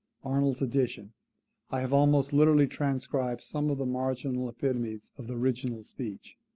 Arnold's edition. I have almost literally transcribed some of the marginal epitomes of the original speech.